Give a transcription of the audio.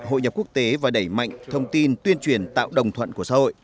hội nhập quốc tế và đẩy mạnh thông tin tuyên truyền tạo đồng thuận của xã hội